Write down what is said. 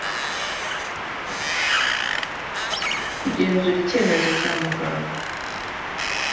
kugenzura icyemezo cya muganga